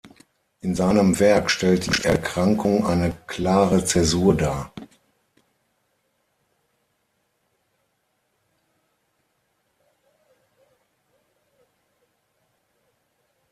In seinem Werk stellt die Erkrankung eine klare Zäsur dar.